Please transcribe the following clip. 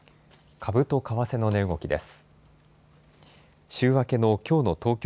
株と為替の値動きです。